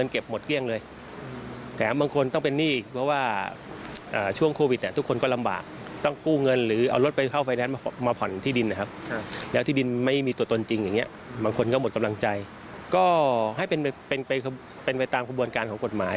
ก็ให้เป็นไปตามควบวนการของกฎหมาย